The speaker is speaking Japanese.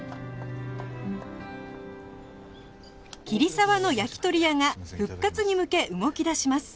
桐沢の焼き鳥屋が復活に向け動き出します